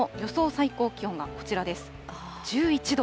最高気温がこちらです。